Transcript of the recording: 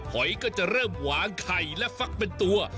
หอยก็จะเริ่มวางไข่และฟักเป็นตัว